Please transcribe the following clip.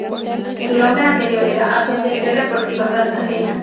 Su nombre anterior era Asociación Deportiva Cartagena.